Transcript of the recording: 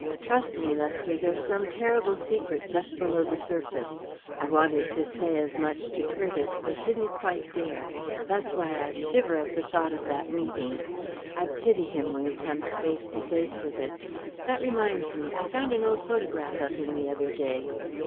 Trust me, Lester, there's some terrible secret just below the surface. I wanted to say as much to Curtiss, but didn't quite dare. That's why I shiver at the thought of that meeting. I pity him when he comes face to face with it. That reminds me I found an old photograph of him the other day."